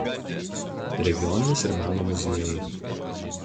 Regioninis ir meno muziejai.